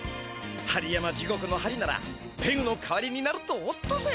針山地獄の針ならペグの代わりになると思ったぜ！